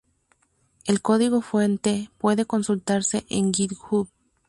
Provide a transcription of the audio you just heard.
El código fuente puede consultarse en GitHub.